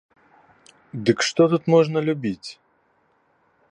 Дык што тут можна любіць?